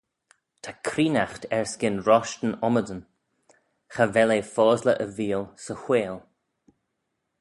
"Ta creenaght erskyn roshtyn ommydan; cha vel eh fosley e veeal 'sy whaiyll."